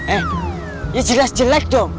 eh ya jelas jelek dong